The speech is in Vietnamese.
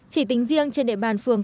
chỉ tính riêng trên địa bàn phường